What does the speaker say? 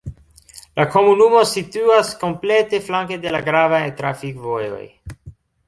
La komunumo situas komplete flanke de la gravaj trafikvojoj.